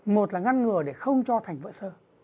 một là ngăn ngừa để không cho thành vỡ sơ